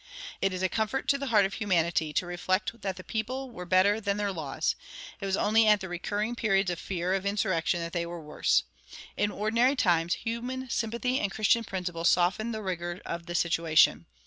It is a comfort to the heart of humanity to reflect that the people were better than their laws; it was only at the recurring periods of fear of insurrection that they were worse. In ordinary times human sympathy and Christian principle softened the rigors of the situation.